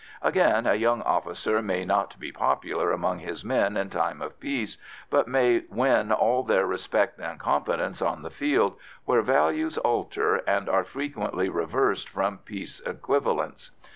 Again, a young officer may not be popular among his men in time of peace, but may win all their respect and confidence on the field, where values alter and are frequently reversed from peace equivalents.